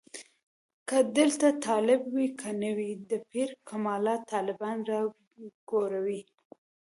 که دلته طالب وي که نه وي د پیر کمالات طالبان راکوزوي.